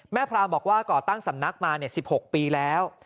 พรามบอกว่าก่อตั้งสำนักมา๑๖ปีแล้ว